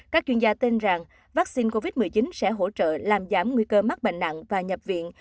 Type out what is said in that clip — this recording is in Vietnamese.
các chuyên gia tin rằng vaccine covid một mươi chín sẽ hỗ trợ làm giảm nguy cơ mắc bệnh nặng và nhập viện